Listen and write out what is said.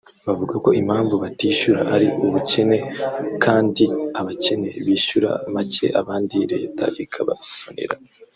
bavuga ko impamvu batishyura ari ubukene kandi abakene bishyura make abandi leta ikabasonera